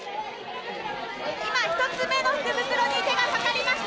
今、１つ目の福袋に手がかかりました。